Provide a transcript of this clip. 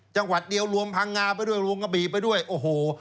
จังหวัดเดียวรวมพังงาไปด้วยรวมกะบีไปด้วยโอ้โห